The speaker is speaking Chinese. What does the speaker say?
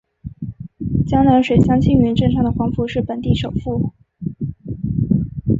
江南水乡青云镇上的黄府是本地首富。